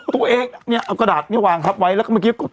ตัวเองเนี่ยเอากระดาษเนี่ยวางทับไว้แล้วก็เมื่อกี้กด